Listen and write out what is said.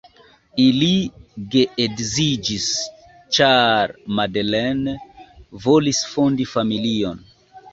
Ili geedziĝis, ĉar Madeleine volis fondi familion.